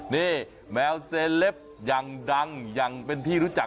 นี่แมวเซเรลบยังดังยังเป็นพี่รู้จัก